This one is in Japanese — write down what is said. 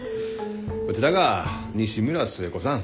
こちらが西村寿恵子さん。